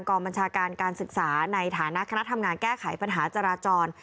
บัญชาการการศึกษาในฐานะคณะทำงานแก้ไขปัญหาจราจร